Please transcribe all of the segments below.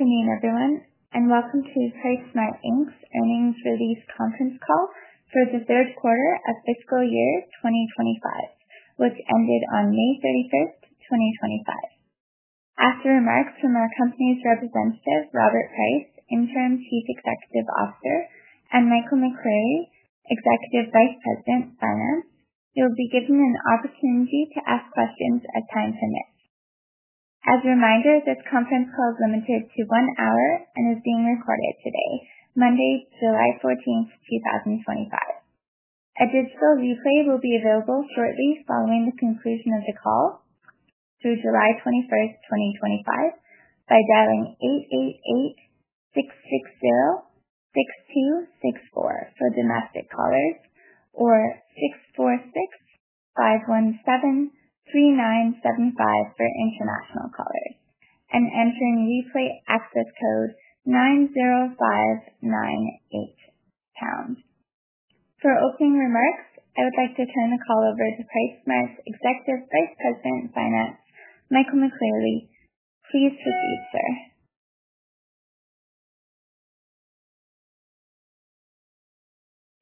Good afternoon, everyone, and welcome to PriceSmart Inc. Earnings release conference call for the third quarter of fiscal year twenty twenty five, which ended on 05/31/2025. After remarks from our company's representative, Robert Price, interim chief executive officer, and Michael McCrea, executive vice president, finance, You'll be given an opportunity to ask questions at time permits. As a reminder, this conference call is limited to one hour and is being recorded today, Monday, 07/14/2025. A digital replay will be available shortly following the conclusion of the call through 07/21/2025 by dialing (888) 660-6264 for domestic callers or (646) 517-3975 for international callers, and entering replay access code 90598Pound. For opening remarks, I would like to turn the call over to PriceSmart's executive vice president finance, Michael McCleary. Please proceed, sir.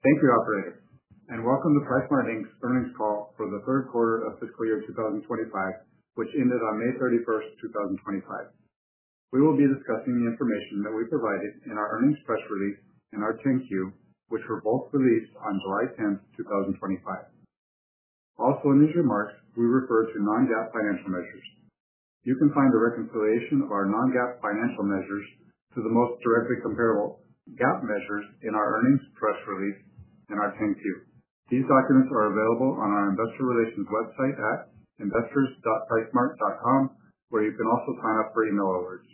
Thank you, operator, and welcome to PriceSmart Inc. Earnings call for the third quarter of fiscal year two thousand twenty five, which ended on 05/31/2025. We will be discussing the information that we provided in our earnings press release and our 10 Q, which were both released on 07/10/2025. Also in these remarks, we refer to non GAAP financial measures. You can find a reconciliation of our non GAAP financial measures to the most directly comparable GAAP measures in our earnings press release and our 10 Q. These documents are available on our Investor Relations website at investors.sitesmart.com, where you can also sign up for e mail alerts.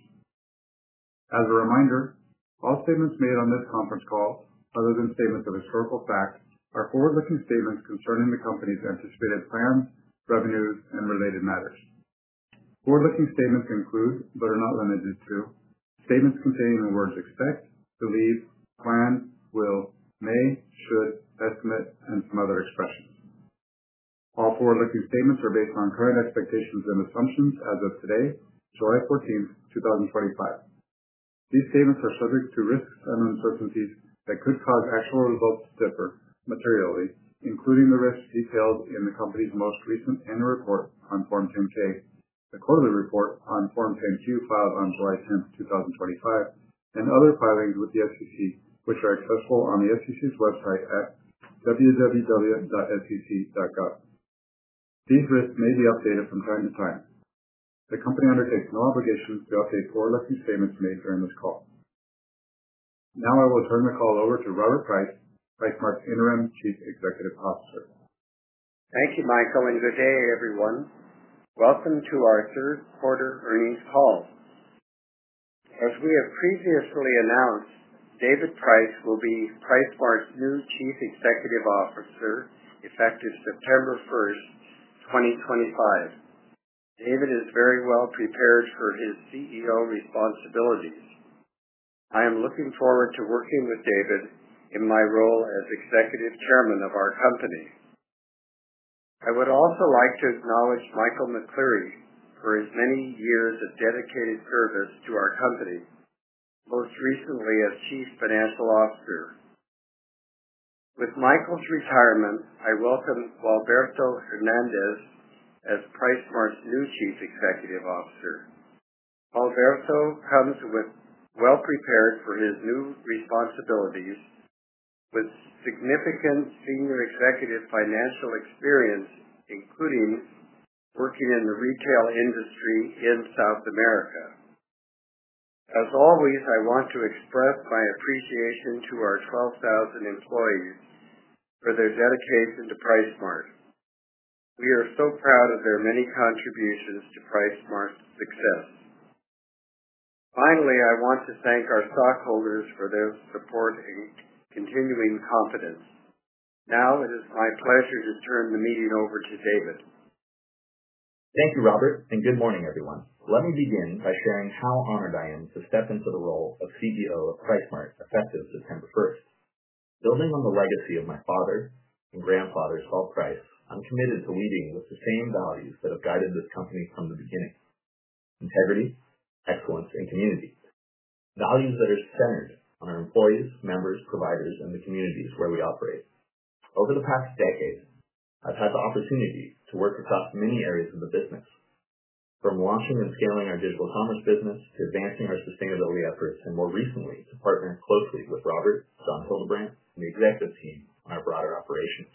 As a reminder, all statements made on this conference call other than statements of historical fact are forward looking statements concerning the company's anticipated plans, revenues and related matters. Forward looking statements include, but are not limited to, statements containing the words expect, believe, plan, will, may, should, estimate and some other expressions. All forward looking statements are based on current expectations and assumptions as of today, 07/14/2025. These statements are subject to risks and uncertainties that could cause actual results to differ materially, including the risks detailed in the company's most recent annual report on Form 10 ks, the quarterly report on Form 10 Q filed on 07/10/2025, and other filings with the SEC, which are accessible on the SEC's website at www.sec.gov. These risks may be updated from time to time. The company undertakes no obligation to update forward looking statements made during this call. Now I will turn the call over to Robert Price, PriceSmart's Interim Chief Executive Officer. Thank you, Michael, and good day, everyone. Welcome to our third quarter earnings call. As we have previously announced, David Price will be PriceMark's new Chief Executive Officer effective 09/01/2025. David is very well prepared for his CEO responsibilities. I am looking forward to working with David in my role as Executive Chairman of our company. I would also like to acknowledge Michael McCleary for his many years of dedicated service to our company, most recently as chief financial officer. With Michael's retirement, I welcome Valverto Hernandez as PriceSmart's new Chief Executive Officer. Valverto comes with well prepared for his new responsibilities employees for their dedication to PriceSmart. We are so proud of their many contributions to PriceSmart's success. Finally, I want to thank our stockholders for their support and continuing confidence. Now it is my pleasure to turn the meeting over to David. Thank you, Robert, and good morning, everyone. Let me begin by sharing how honored I am to step into the role of CEO of PriceSmart effective September 1. Building on the legacy of my father and grandfather's Paul Price, I'm committed to leading with the same values that have guided this company from the beginning, integrity, excellence, and community. Values that are centered on our employees, members, providers, and the communities where we operate. Over the past decade, I've had the opportunity to work across many areas of the business, from launching and scaling our digital commerce business to advancing our sustainability efforts and more recently to partner closely with Robert, John Holubrand, and the executive team on our broader operations.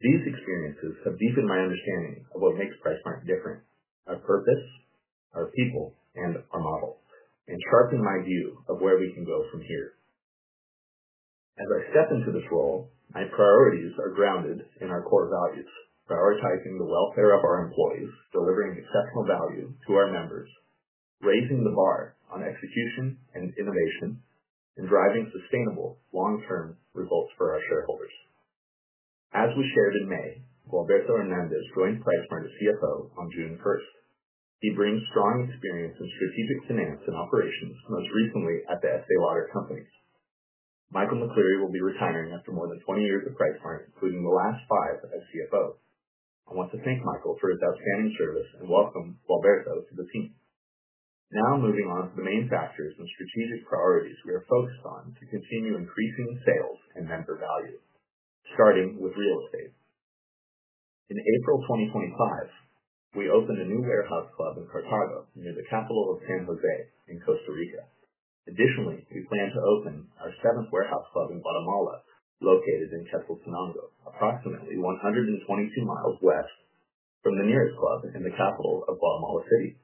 These experiences have deepened my understanding of what makes PriceSmart different, our purpose, our people, and our model, and sharpened my view of where we can go from here. As I step into this role, my priorities are grounded in our core values, prioritizing the welfare of our employees, delivering exceptional value to our members, raising the bar on execution and innovation, and driving sustainable long term results for our shareholders. As we shared in May, Roberto Hernandez joined PriceSmart as CFO on June 1. He brings strong experience in strategic finance and operations, most recently at the S. A. Lauder Companies. Michael McCleary will be retiring after more than twenty years of price point, including the last five as CFO. I want to thank Michael for his outstanding service and welcome, Valverto, to the team. Now moving on to the main factors and strategic priorities we are focused on to continue increasing sales and member value, starting with real estate. In April 2025, we opened a new warehouse club in Cartago near the capital of San Jose in Costa Rica. Additionally, we plan to open our seventh warehouse club in Guatemala located in Chefsul Tonongo, approximately 122 miles west from the nearest club in the capital of Guatemala City.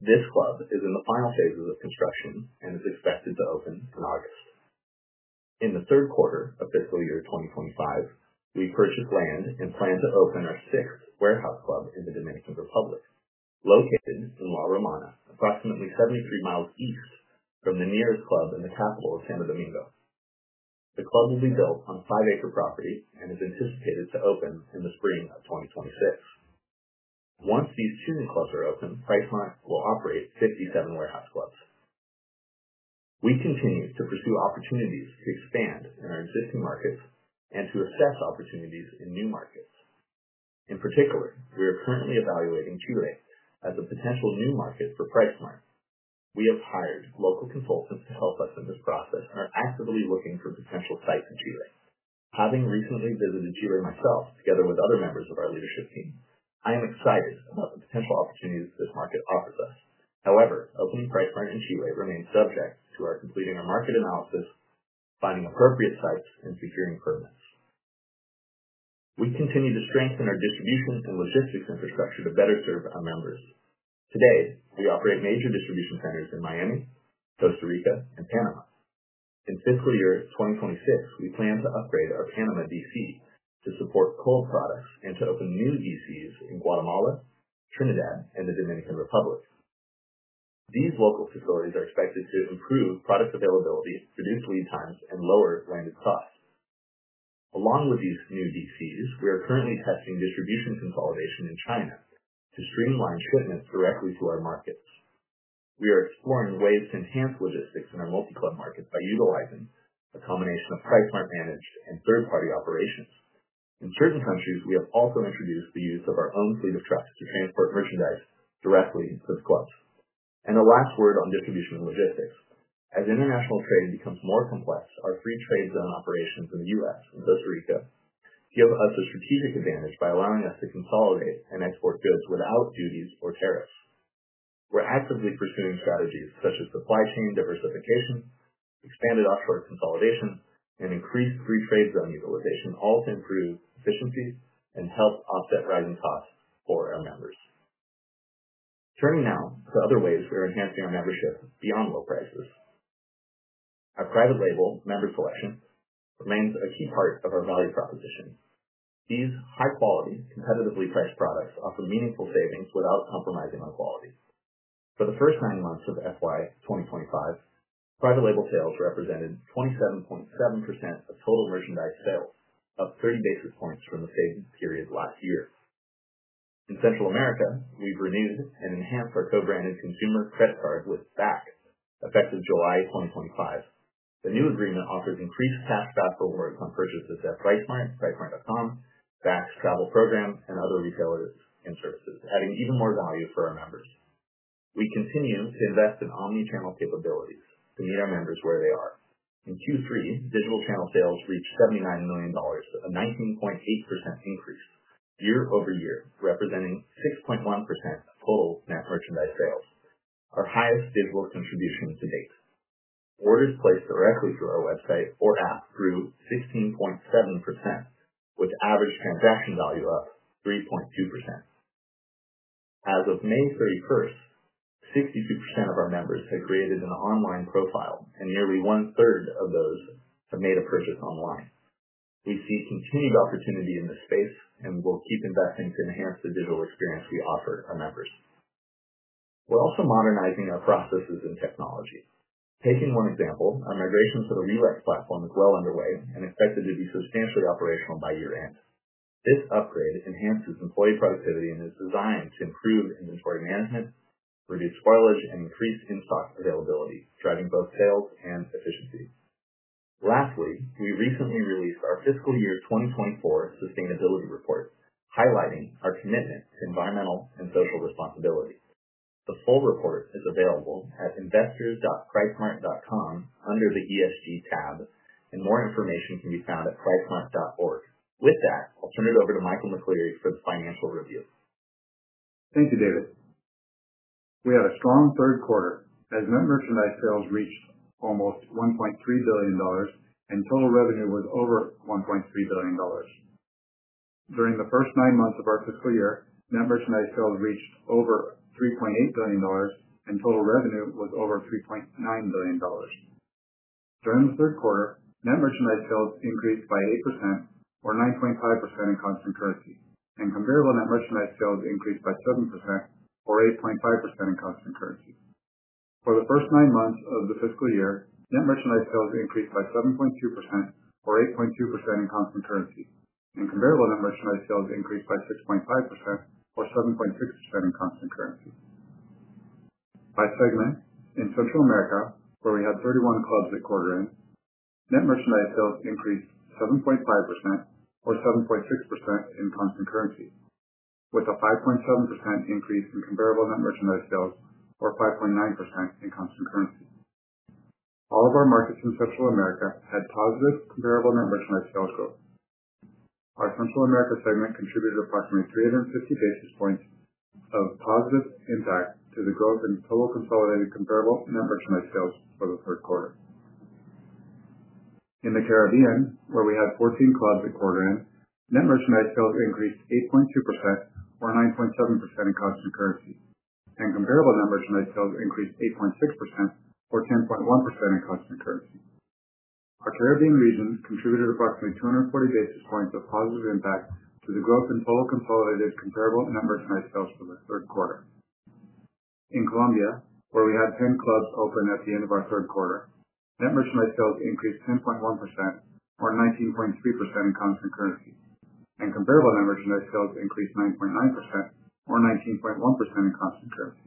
This club is in the final phases of construction and is expected to open in August. In the third quarter of fiscal year twenty twenty five, we purchased land and plan to open our sixth warehouse club in The Dominican Republic located in La Romana, approximately 73 miles east from the nearest club in the capital of Santo Domingo. The club will be built on five acre property and is anticipated to open in the spring of twenty twenty six. Once these two new clubs are open, Priceline will operate 57 warehouse clubs. We continue to pursue opportunities to expand in our existing markets and to assess opportunities in new markets. In particular, we are currently evaluating Chile as a potential new market for PriceSmart. We have hired local consultants to help us in this process and are actively looking for potential sites in Chile. Having recently visited Chile myself together with other members of our leadership team, I am excited about the potential opportunities this market offers us. However, opening price margin in Chi Way remains subject to our completing our market analysis, finding appropriate sites, and securing permits. We continue to strengthen our distribution and logistics infrastructure to better serve our members. Today, we operate major distribution centers in Miami, Costa Rica, and Panama. In fiscal year twenty twenty six, we plan to upgrade our Panama DC to support coal products and to open new DCs in Guatemala, Trinidad and The Dominican Republic. These local facilities are expected to improve product availability, reduce lead times and lower branded costs. Along with these new DCs, we are currently testing distribution consolidation in China to streamline shipments directly to our markets. We are exploring ways to enhance logistics in our multi club market by utilizing a combination of PriceSmart managed and third party operations. In certain countries, we have also introduced the use of our own fleet of trucks to transport merchandise directly to the clubs. And the last word on distribution and logistics. As international trade becomes more complex, our free trade zone operations in The US and Costa Rica give us a strategic advantage by allowing us to consolidate and export goods without duties or tariffs. We're actively pursuing strategies such as supply chain diversification, expanded offshore consolidation, and increased free trade zone utilization, all to improve efficiencies and help offset rising costs for our members. Turning now to other ways we are enhancing our membership beyond low prices. Our private label member selection remains a key part of our value proposition. These high quality competitively priced products offer meaningful savings without compromising on quality. For the first nine months of FY 2025, private label sales represented 27.7% of total merchandise sales, up 30 basis points from the same period last year. In Central America, we've renewed and enhanced our co branded consumer credit card with BAC effective July 2025. The new agreement offers increased cash back rewards on purchases at PriceSmart, pricemart.com, BAC's travel program and other retailers and services, adding even more value for our members. We continue to invest in omnichannel capabilities to meet our members where they are. In Q3, digital channel sales reached $79,000,000 a 19.8% increase year over year, representing 6.1% of total net merchandise sales, our highest digital contribution to date. Orders placed directly through our website or app grew 16.7% with average transaction value up 3.2%. As of May 31, 62% of our members have created an online profile, and nearly one third of those have made a purchase online. We see continued opportunity in this space, and we'll keep investing to enhance the digital experience we offer our members. We're also modernizing our processes and technology. Taking one example, our migration to the ReLex platform is well underway and expected to be substantially operational by year end. This upgrade enhances employee productivity and is designed to improve inventory management, reduce spoilage and increase in stock availability, driving both sales and efficiency. Lastly, we recently released our fiscal year twenty twenty four sustainability report, highlighting our commitment to environmental and social responsibility. The full report is available at investors.pricemart.com under the ESG tab, and more information can be found at pricemart.org. With that, I'll turn it over to Michael McCleary for the financial review. Thank you, David. We had a strong third quarter as net merchandise sales reached almost $1,300,000,000 and total revenue was over $1,300,000,000 During the first nine months of our fiscal year, net merchandise sales reached over $3,800,000,000 and total revenue was over $3,900,000,000 During the third quarter, net merchandise sales increased by 8% or 9.5% in constant currency, and comparable net merchandise sales increased by 7% or 8.5% in constant currency. For the first nine months of the fiscal year, net merchandise sales increased by 7.2% or 8.2% in constant currency, and comparable net merchandise sales increased by 6.5% or 7.6% in constant currency. By segment, in Central America, where we had 31 clubs at quarter end, net merchandise sales increased 7.5% or 7.6% in constant currency, with a 5.7% increase in comparable net merchandise sales or 5.9% in constant currency. All of our markets in Central America had positive comparable net merchandise sales growth. Our Central America segment contributed approximately three fifty basis points of positive impact to the growth in total consolidated comparable net merchandise sales for the third quarter. In The Caribbean, where we had 14 clubs at quarter end, net merchandise sales increased 8.2% or 9.7 in constant currency, and comparable net merchandise sales increased 8.6% or 10.1% in constant currency. Our Caribbean region contributed approximately two forty basis points of positive impact to the growth in total consolidated comparable net merchandise sales for the third quarter. In Colombia, where we had 10 clubs opened at the end of our third quarter, net merchandise sales increased 10.1% or 19.3% in constant currency, and comparable net merchandise sales increased 9.9% or 19.1% in constant currency.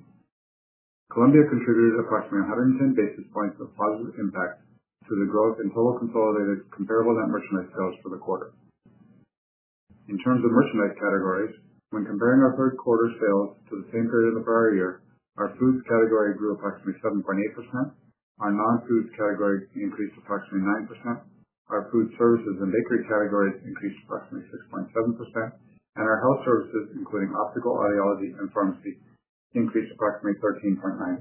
Colombia contributed approximately 110 basis points of positive impact to the growth in total consolidated comparable net merchandise sales for the quarter. In terms of merchandise categories, when comparing our third quarter sales to the same period of the prior year, our foods category grew approximately 7.8, our nonfoods category increased approximately 9%, our food services and bakery categories increased approximately 6.7%. And our health services, including optical audiology and pharmacy, increased approximately 13.9%.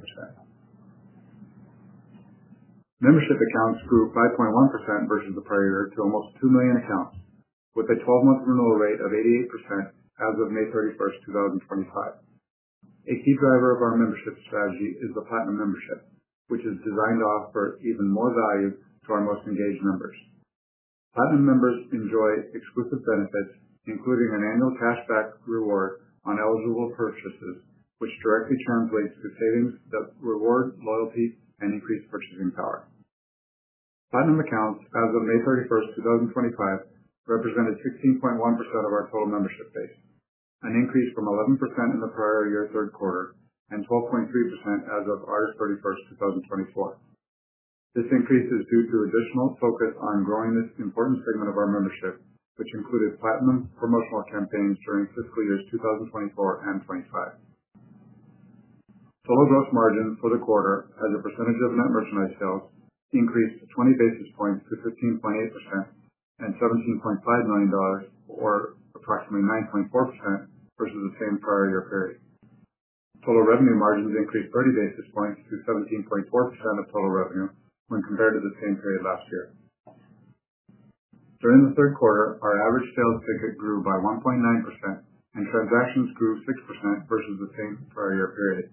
Membership accounts grew 5.1% versus the prior year to almost 2,000,000 accounts with a twelve month renewal rate of 88% as of 05/31/2025. A key driver of our membership strategy is the platinum membership, which is designed to offer even more value to our most engaged members. Platinum members enjoy exclusive benefits, including an annual cashback reward on eligible purchases, which directly translates to savings that reward loyalty and increased purchasing power. Platinum accounts as of 05/31/2025 represented 16.1% of our total membership base, an increase from 11% in the prior year third quarter and 12.3% as of 08/31/2024. This increase is due to additional focus on growing this important segment of our membership, which included platinum promotional campaigns during fiscal years 2024 and 'twenty five. Total gross margin for the quarter as a percentage of net merchandise sales increased 20 basis points to fifteen point eight percent and $17,500,000 or approximately 9.4% versus the same prior year period. Total revenue margins increased 30 basis points to 17.4% of total revenue when compared to the same period last year. During the third quarter, our average sales ticket grew by 1.9% and transactions grew 6% versus the same prior year period.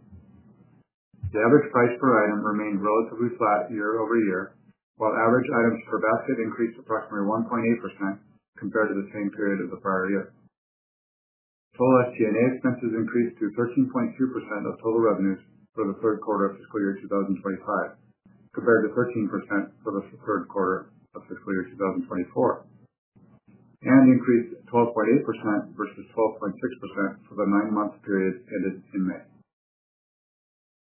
The average price per item remained relatively flat year over year, while average items per basket increased approximately 1.8% compared to the same period of the prior year. Total SG and A expenses increased to 13.2% of total revenues for the third quarter of fiscal year twenty twenty five compared to 13% for the third quarter of fiscal year twenty twenty four and increased 12.8% versus 12.6% for the nine month period ended in May.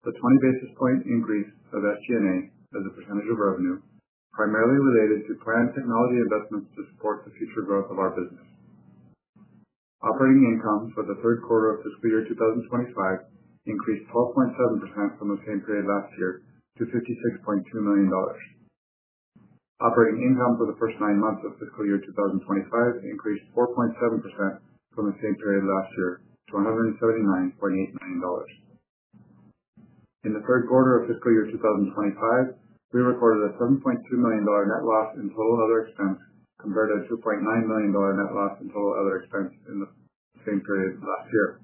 The 20 basis point increase of SG and A as a percentage of revenue, primarily related to planned technology investments to support the future growth of our business. Operating income for the third quarter of fiscal year twenty twenty five increased 12.7% from the same period last year to $56,200,000 Operating income for the first nine months of fiscal year twenty twenty five increased 4.7% from the same period last year to $179,800,000 In the third quarter of fiscal year twenty twenty five, we recorded a $7,200,000 net loss in total other expense compared to $900,000 net loss in total other expense in the same period last year.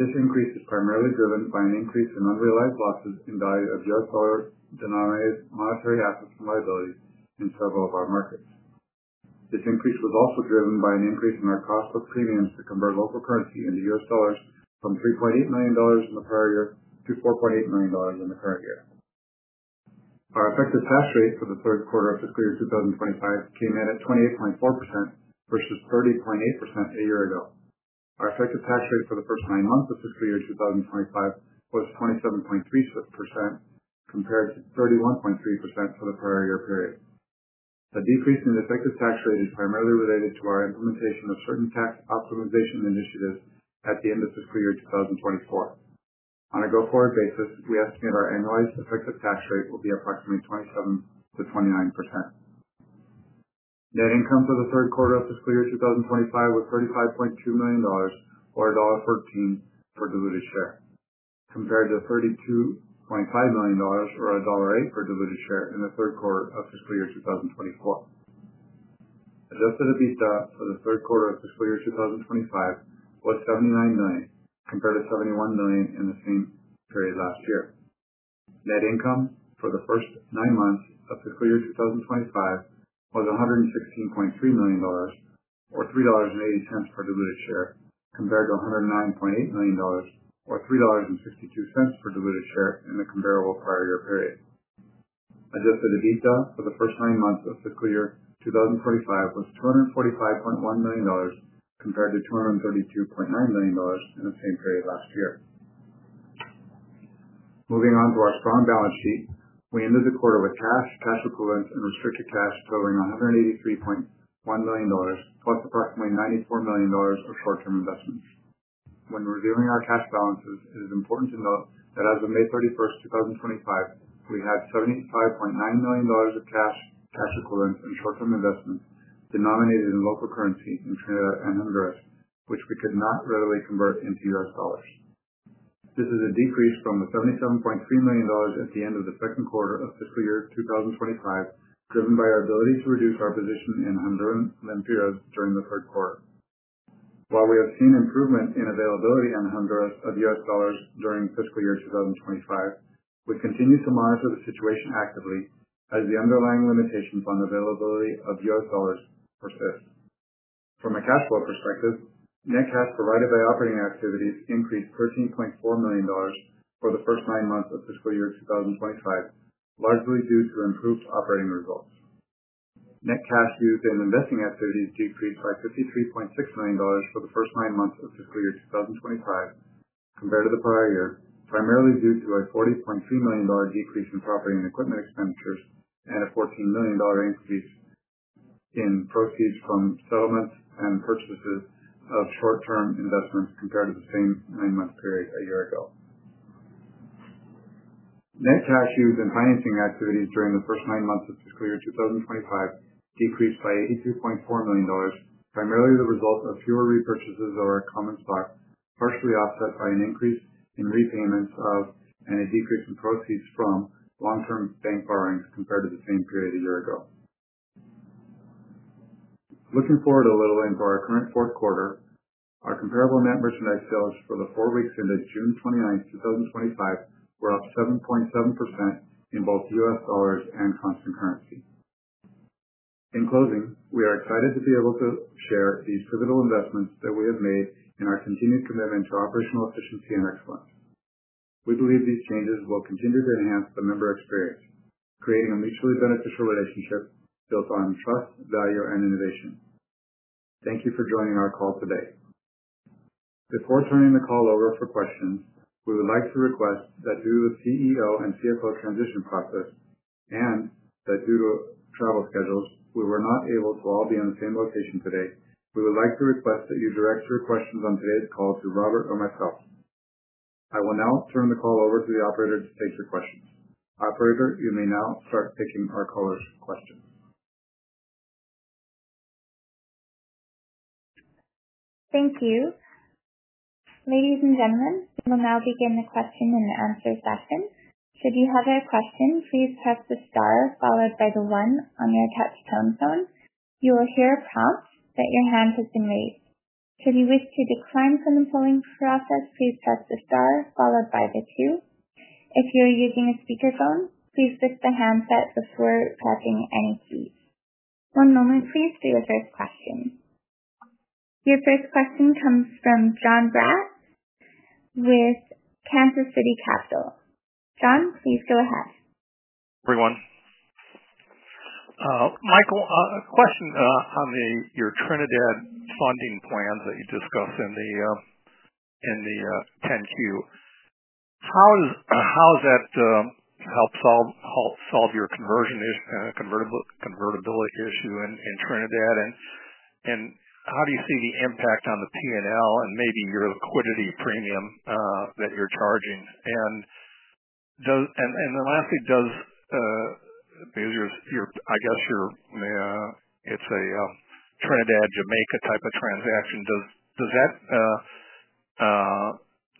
This increase is primarily driven by an increase in unrealized losses in value of U. S. Dollar denominated monetary assets and liabilities in several of our markets. This increase was also driven by an increase in our cost of premiums to convert local currency into U. S. Dollars from $3,800,000 in the prior year to $4,800,000 in the current year. Our effective tax rate for the third quarter of fiscal year twenty twenty five came in at 28.4% versus 30.8% a year ago. Our effective tax rate for the first nine months of fiscal year twenty twenty five was 27.3% compared to 31.3% for the prior year period. The decrease in the effective tax rate is primarily related to our implementation of certain tax optimization initiatives at the end of fiscal year twenty twenty four. On a go forward basis, we estimate our annualized effective tax rate will be approximately 27 to 29%. Net income for the third quarter of fiscal year twenty twenty five was $35,200,000 or $1.14 per diluted share compared to $32,500,000 or $1.8 per diluted share in the third quarter of fiscal year twenty twenty four. Adjusted EBITDA for the third quarter of fiscal year twenty twenty five was $79,000,000 compared to $71,000,000 in the same period last year. Net income for the first nine months of fiscal year twenty twenty five was $116,300,000 or $3.8 per diluted share compared to $109,800,000 or $3.62 per diluted share in the comparable prior year period. Adjusted EBITDA for the first nine months of fiscal year 2025 was $245,100,000 compared to $232,900,000 in the same period last year. Moving on to our strong balance sheet. We ended the quarter with cash, cash equivalents and restricted cash totaling $183,100,000 plus approximately $94,000,000 of short term investments. When reviewing our cash balances, it is important to note that as of 05/31/2025, we had $75,900,000 of cash, cash equivalents and short term investments denominated in local currency in Canada and Honduras, which we could not readily convert into U. S. Dollars. This is a decrease from the $77,300,000 at the end of the second quarter of fiscal year twenty twenty five, driven by our ability to reduce our position in Honduran Lempiras during the third quarter. While we have seen improvement in availability in Honduras of U. S. Dollars during fiscal year twenty twenty five, we continue to monitor the situation actively as the underlying limitations on availability of U. S. Dollars persist. From a cash flow perspective, net cash provided by operating activities increased $13,400,000 for the first nine months of fiscal year twenty twenty five, largely due to improved operating results. Net cash used in investing activities decreased by $53,600,000 for the first nine months of fiscal year twenty twenty five compared to the prior year, primarily due to a 40,300,000 decrease in property and equipment expenditures and a $14,000,000 increase in proceeds from settlements and purchases of short term investments compared to the same nine month period a year ago. Net cash used in financing activities during the first nine months of fiscal year twenty twenty five decreased by $82,400,000 primarily the result of fewer repurchases of our common stock, partially offset by an increase in repayments of and a decrease in proceeds from long term bank borrowings compared to the same period a year ago. Looking forward a little and for our current fourth quarter, our comparable net merchandise sales for the four weeks ended 06/29/2025 were up 7.7% in both U. S. Dollars and constant currency. In closing, we are excited to be able to share these pivotal investments that we have made in our continued commitment to operational efficiency and excellence. We believe these changes will continue to enhance the member experience, creating a mutually beneficial relationship built on trust, value, and innovation. Thank you for joining our call today. Before turning the call over for questions, we would like to request that due to the CEO and CFO transition process and that due to travel schedules, we were not able to all be on the same location today, We would like to request that you direct your questions on today's call to Robert or myself. I will now turn the call over to the operator to take your questions. Operator, you may now start taking our callers' questions. Thank you. Ladies and gentlemen, we will now begin the question and answer session. Should you have a question, please press the star followed by the one on your touch tone phone. You will hear a prompt that your hand has been raised. Should you wish to decline from the polling process, please press the star followed by the two. If you're using a speakerphone, please lift the handset before pressing any key. One moment, please, for your first question. Your first question comes from John Bratz with Kansas City Capital. John, please go ahead. Michael, a question on your Trinidad funding plans that you discussed in the 10 Q. How does that help solve your conversion is convertible convertibility issue in Trinidad? And how do you see the impact on the P and L and maybe your liquidity premium that you're charging? The and and then lastly, does because your your I guess, it's a Trinidad Jamaica type of transaction. Does does that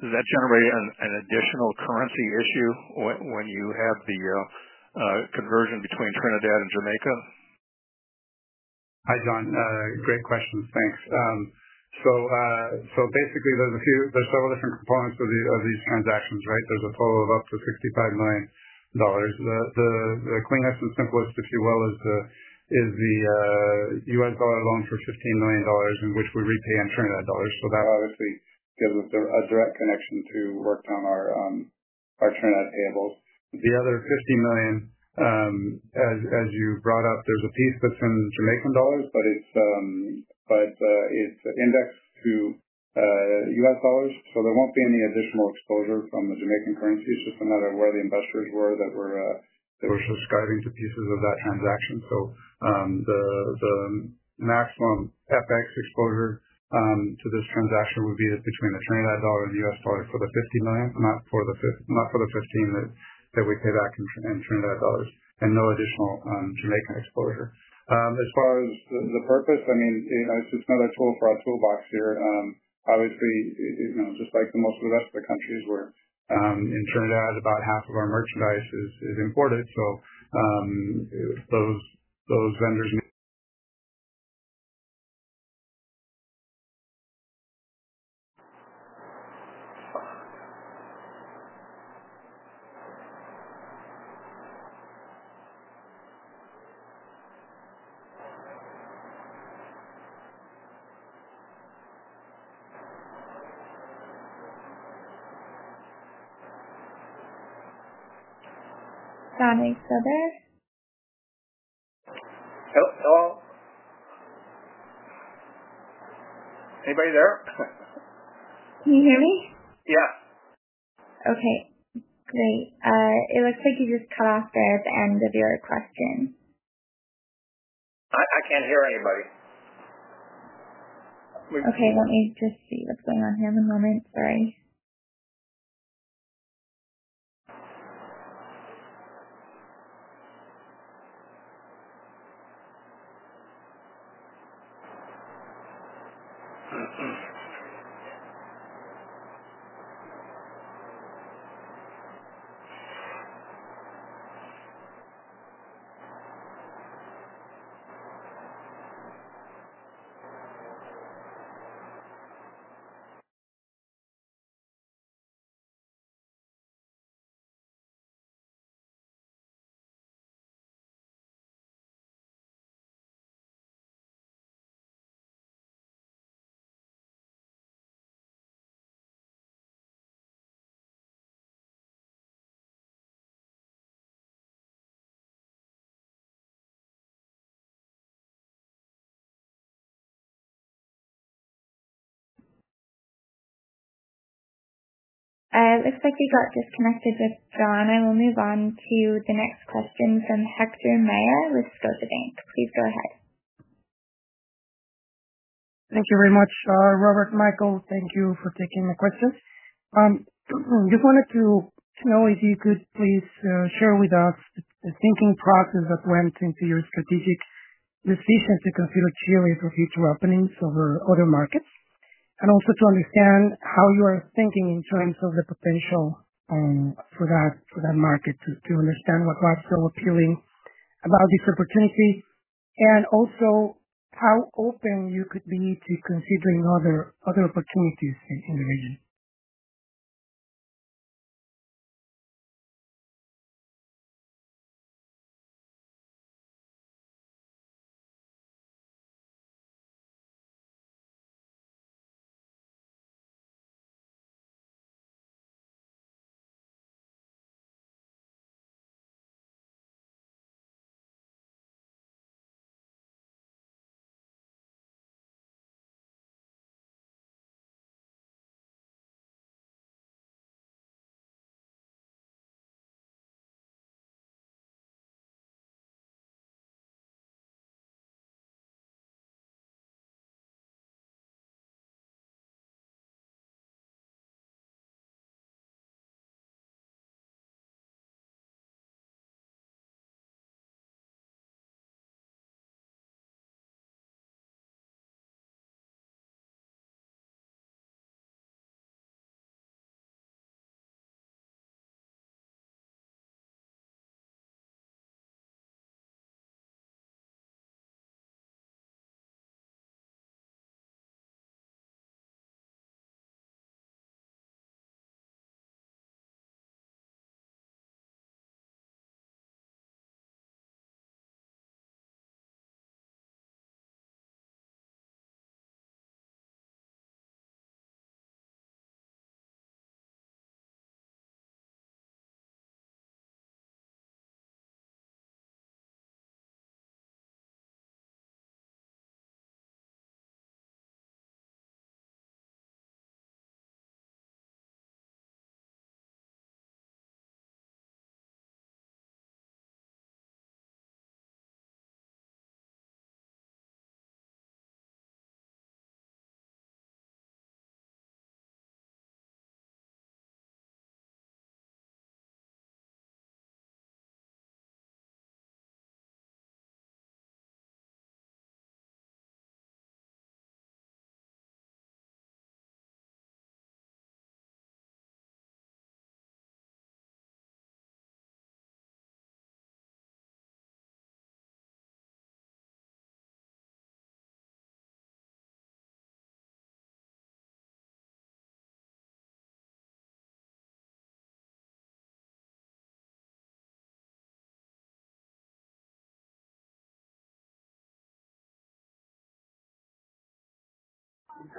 does that generate an an additional currency issue when you have the conversion between Trinidad and Jamaica? Hi, John. Great questions. Thanks. So so, basically, there's a few there's several different components of the of these transactions. Right? There's a total of up to $65,000,000. The the cleanest and simplest, if you will, is the is the US dollar loan for $15,000,000 in which we repay Trinidad Dollars. So that obviously gives us a direct connection to work on our our Trinidad payables. The other 50,000,000, as you brought up, there's a piece that's in Jamaican dollars, but it's but it's indexed to US Dollars. So there won't be any additional exposure from the Jamaican currency. It's just a matter of where the investors were that were that were subscribing to pieces of that transaction. So the the maximum FX exposure to this transaction would be between the $29 and the US dollar for the 50,000,000, not for the fifth not for the 15 that that we pay back in in $29 and no additional Jamaican exposure. As far as the the purpose, I mean, you know, it's just another tool for our toolbox here. Obviously, you know, just like the most of the rest of the countries where in Trinidad, about half of our merchandise is is imported. So those those vendors Johnny, still there? Hello? Anybody there? Can you hear me? Yeah. Okay. Great. It looks like you just cut off there at the end of your question. I I can't hear anybody. Okay. Let me just see what's going on here. One moment. Sorry. Looks like we got disconnected with John. I will move on to the next question from Hector Mayer with Scotiabank. Please go ahead. Thank you very much, Robert, Michael. Thank you for taking my questions. Just wanted to know if you could please share with us the thinking process that went into your strategic decision to consider Chile for future openings over other markets? And also to understand how you are thinking in terms of the potential for that that market to to understand what's so appealing about this opportunity? And also how open you could be to considering other other opportunities in in the region.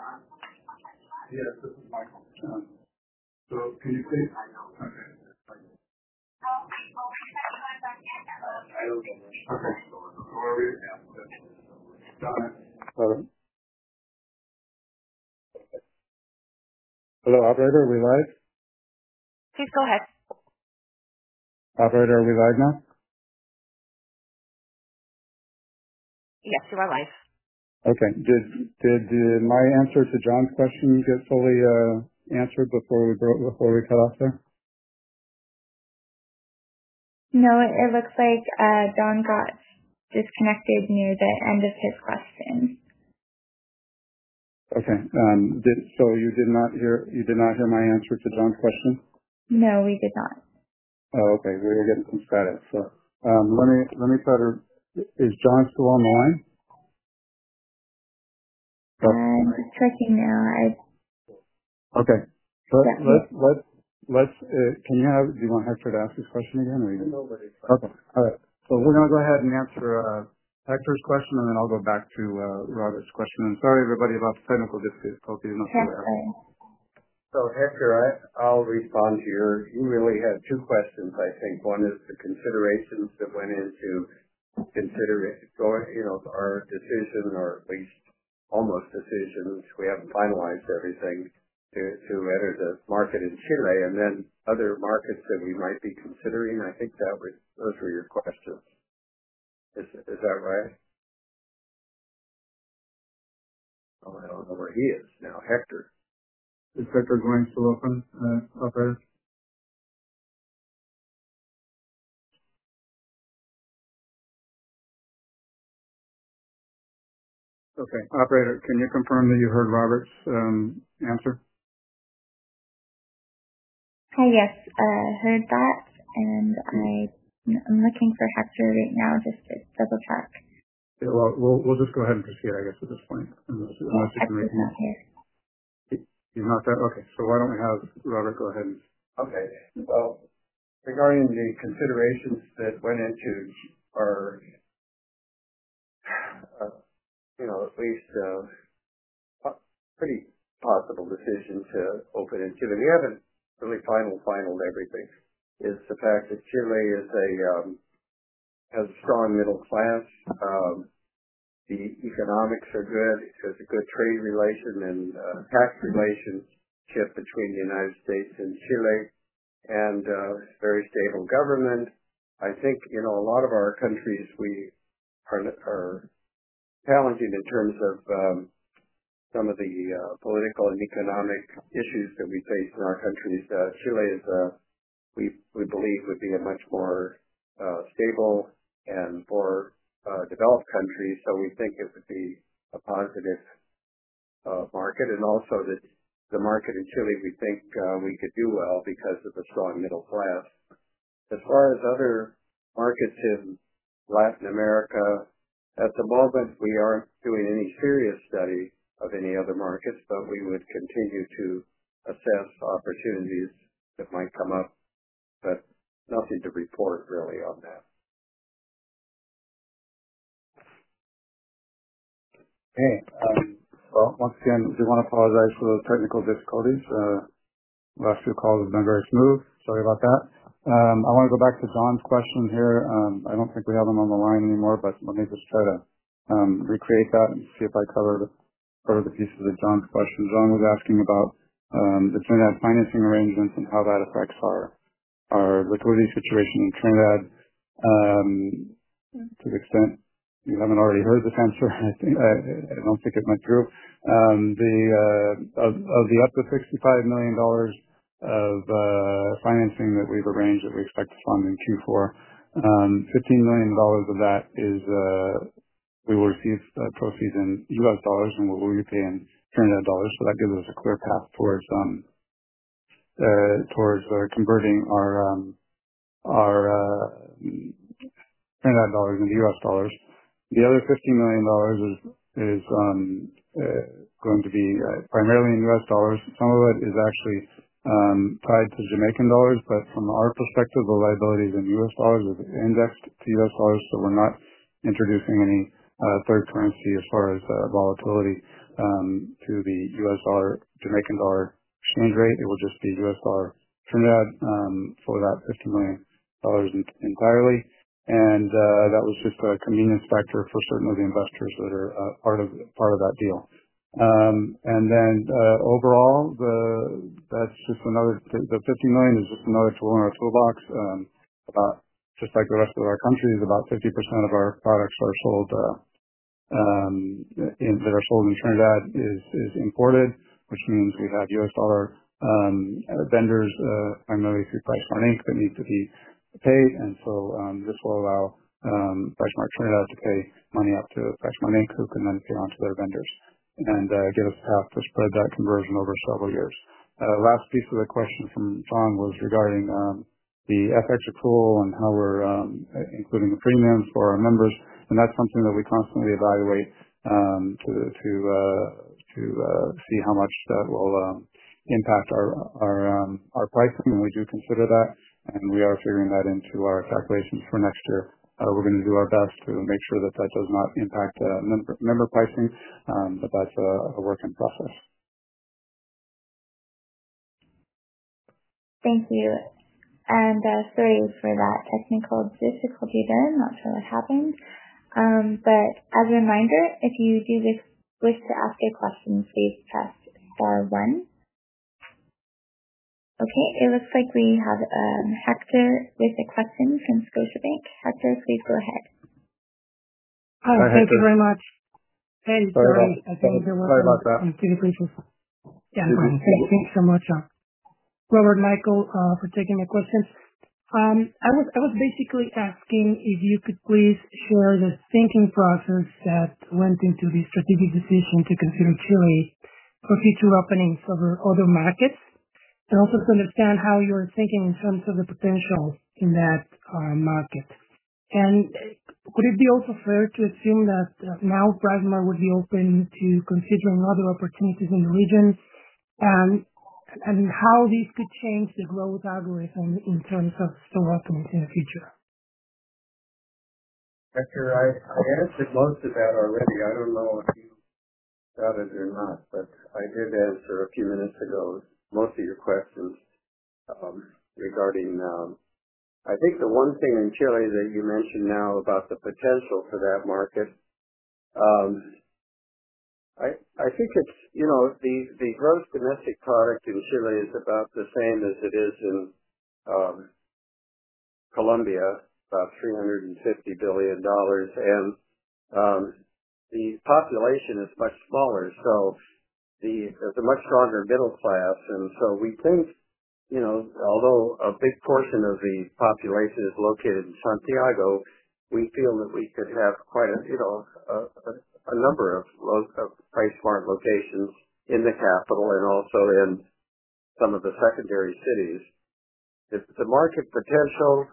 Hello? Hello? Operator, are we live? Please go ahead. Operator, are we live now? Yes. You are live. Okay. Did did my answer to John's question get fully answered before we go before we cut off there? No. It it looks like John got disconnected near the end of his question. Okay. Did so you did not hear you did not hear my answer to Don's question? No. We did not. Oh, okay. We are getting some static. So let me let me try to is John still online? I'm checking now. I Okay. So let let let let's can you have do you want Hector to ask this question again? You can No. But it's fine. Okay. Alright. So we're gonna go ahead and answer Hector's question, and then I'll go back to Robert's question. I'm sorry everybody about the clinical difficulty in the So, Hector, I I'll respond to your you really have two questions, I think. One is the considerations that went into considering going you know, our decision or at least almost decisions. We haven't finalized everything to to whether the market is Chile and then other markets that we might be considering. I think that would those were your questions. Is is that right? Oh, I don't know where he is now. Hector. Is Hector going still open, operator? Okay. Operator, can you confirm that you heard Robert's answer? Hi. Yes. Heard that, and I I'm looking for Hector right now just to double check. Yeah. Well, we'll we'll just go ahead and proceed, I guess, at this point unless unless he can make not here. You're not there? Okay. So why don't we have Robert, go ahead and Okay. Well, regarding the considerations that went into our, you know, at least pretty possible decision to open it. And haven't really final final everything. It's the fact that Chile is a has strong middle class. The economics are good. It has a good trade relation and tax relationship between The United States and Chile, and very stable government. I think, you know, a lot of our countries, we are are challenging in terms of some of the political and economic issues that we face in our countries. Chile is a we we believe would be a much more stable and for developed countries. So we think it would be a positive market and also that the market in Chile, we think we could do well because of the strong middle class. As far as other markets in Latin America, at the moment, we aren't doing any serious study of any other markets, but we would continue to assess opportunities that might come up, but nothing to report really on that. K. Well, once again, I do wanna apologize for the technical difficulties. Last few calls have been very smooth. Sorry about that. I wanna go back to John's question here. I don't think we have him on the line anymore, but let me just try to recreate that and see if I covered the part of the pieces of John's question. John was asking about the TriNet financing arrangements and how that affects our our liquidity situation in Trinidad. To the extent you haven't already heard the answer, I think I don't think it went through. The of the up to $65,000,000 of financing that we've arranged that we expect to fund in q four, $15,000,000 of that is we will receive the proceeds in US dollars, and we will be paying $10,000,000. So that gives us a clear path towards towards converting our our in that dollars in the US dollars. The other $50,000,000 is is going to be primarily in US dollars. Some of it is actually tied to Jamaican dollars, but from our perspective, the liabilities in US dollars is indexed to US dollars. So we're not introducing any third currency as far as volatility to the US dollar Jamaican dollar exchange rate. It will just be US dollar for that $50,000,000 entirely. And that was just a convenience factor for certain of the investors that are part of part of that deal. And then overall, the that's just another the the 50,000,000 is just another tool in our toolbox. Just like the rest of our country is about 50% of our products are sold in that are sold in Trinidad is is imported, which means we have US dollar vendors primarily through PriceSmart Inc that need to be paid. And so this will allow PriceSmart turn it out to pay money up to PriceSmart Inc who can then pay on to their vendors and get us a path to spread that conversion over several years. Last piece of the question from John was regarding the FX accrual and how we're including the premiums for our members. And that's something that we constantly evaluate to to to see how much that will impact our our our pricing, and we do consider that. And we are figuring that into our calculations for next year. We're gonna do our best to make sure that that does not impact member member pricing, but that's a work in process. Thank you. And sorry for that technical difficulty then. Not sure what happened. But as a reminder, if you do wish wish to ask a question, please press one. Okay. It looks like we have Hector with a question from Scotiabank. Hector, please go ahead. Hi. Thank you very much. Hey. Sorry about that. I'm pretty brief. Thanks. Thanks so much. Robert, Michael, for taking my questions. I was I was basically asking if you could please share the thinking process that went into the strategic decision to consider Chile for future openings over other markets? And also to understand how you're thinking in terms of the potential in that market. And would it be also fair to assume that now Prisma would be open to considering other opportunities in the region? And how this could change the growth algorithm in terms of store openings in the future. Hector, I I answered most of that already. I don't know got it or not, but I did answer a few minutes ago most of your questions regarding I think the one thing in Chile that you mentioned now about the potential for that market, I I think it's, you know, the the gross domestic product in Chile is about the same as it is in Colombia, about $350,000,000,000. And the population is much smaller. So the there's a much stronger middle class. And so we think, you know, although a big portion of the population is located in Santiago, we feel that we could have quite a, you know, a number of load of PriceSmart locations in the capital and also in some of the secondary cities. If the market potential,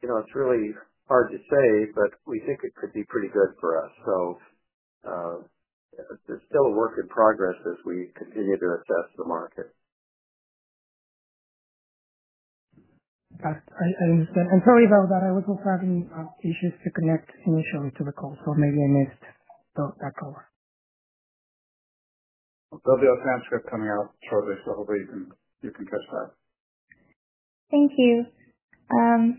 you know, it's really hard to say, but we think it could be pretty good for us. So still a work in progress as we continue to assess the market. I I understand. I'm sorry about that. I was also having issues to connect initially to the call, so maybe I missed that call. There'll be a transcript coming out shortly, so hopefully, you can can catch that. Thank you.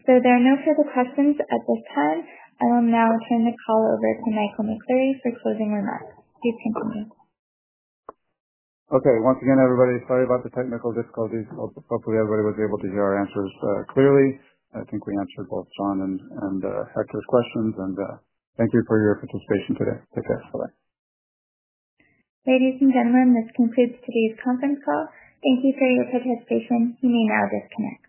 So there are no further questions at this time. I will now turn the call over to Michael McCleary for closing remarks. Please continue. Okay. Once again, everybody, sorry about the technical difficulties. Hope hopefully, everybody was able to hear our answers clearly. I think we answered both John and and Hector's questions, and thank you for your participation today. Take care. Bye bye. Ladies and gentlemen, this concludes today's conference call. Thank you for your participation. You may now disconnect.